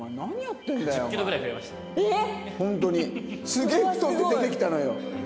すげえ太って出てきたのよ。